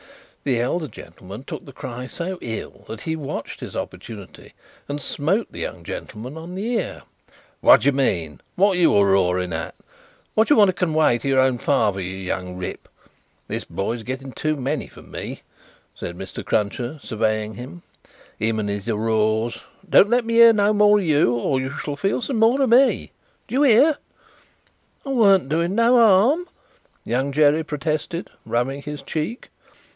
The elder gentleman took the cry so ill, that he watched his opportunity, and smote the young gentleman on the ear. "What d'ye mean? What are you hooroaring at? What do you want to conwey to your own father, you young Rip? This boy is a getting too many for me!" said Mr. Cruncher, surveying him. "Him and his hooroars! Don't let me hear no more of you, or you shall feel some more of me. D'ye hear?" "I warn't doing no harm," Young Jerry protested, rubbing his cheek.